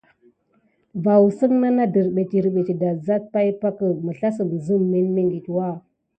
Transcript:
Vaoussən na kam nane dərɓé adassane pay pakə, məslassəm zəmə milmiŋɠitwa.